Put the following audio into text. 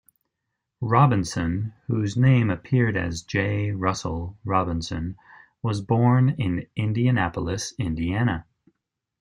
Robinson, whose name appeared as "J. Russel Robinson", was born in Indianapolis, Indiana.